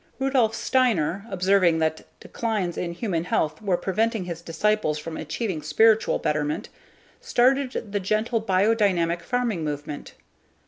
Rudolf Steiner, observing that declines in human health were preventing his disciples from achieving spiritual betterment started the gentle biodynamic farming movement.